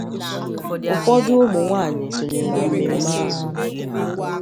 ụfọdụụ ụmụnwaanyị sonyere na mmemme ahụ